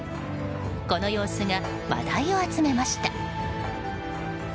この様子が話題を集めました。